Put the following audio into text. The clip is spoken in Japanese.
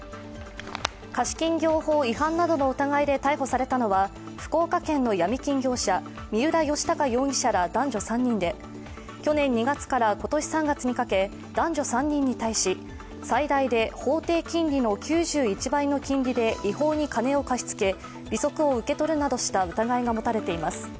貸金業法違反などの疑いで逮捕されたのは、福岡県のヤミ金業者、三浦義隆容疑者ら男女３人で去年２月から今年３月にかけ男女３人に対し最大で法定金利の９１倍の金利で違法に金を貸し付け利息を受け取るなどした疑いが持たれています。